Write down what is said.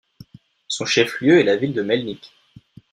Son chef-lieu est la ville de Mělník.